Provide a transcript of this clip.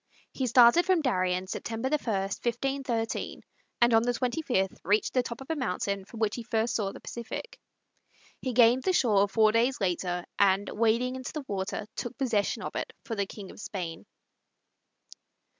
He started from Darien September 1, 1513, and on the 25th reached the top of a mountain from which he first saw the Pacific. He gained the shore four days later, and, wading into the water, took possession of it for the King of Spain.